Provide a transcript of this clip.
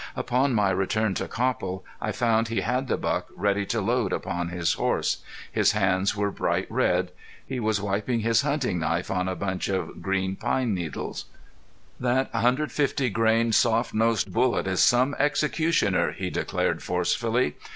Upon my return to Copple I found he had the buck ready to load upon his horse. His hands were bright red. He was wiping his hunting knife on a bunch of green pine needles. "That 150 grain soft nose bullet is some executioner," he declared, forcefully.